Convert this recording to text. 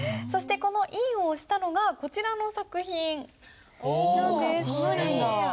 そしてこの印を押したのがこちらの作品なんです。